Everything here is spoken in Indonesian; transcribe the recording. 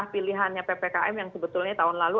pilihannya ppkm yang sebetulnya tahun lalu